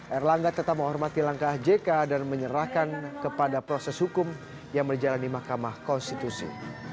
erlangga tetap menghormati langkah jk dan menyerahkan kepada proses hukum yang berjalan di mahkamah konstitusi